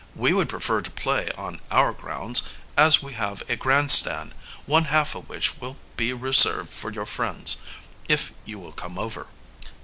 We would prefer to play on our grounds, as we have a grandstand, one half of which will be reserved for your friends, if you will come over.